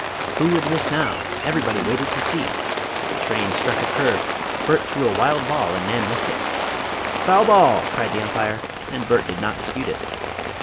Who would miss now? Everybody waited to see. The train struck a curve! Bert threw a wild ball and Nan missed it. "Foul ball!" called the umpire, and Bert did not dispute it.